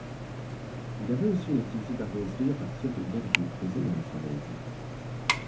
Il avait aussi une activité d'ardoiserie à partir des galeries creusées dans la falaise.